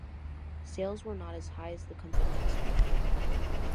Sales were not as high as the company expected.